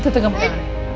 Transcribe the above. itu tuh kemungkinan